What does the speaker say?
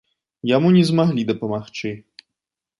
Яму не змаглі дапамагчы.